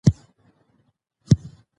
اسټن له ستونزو تېرېده.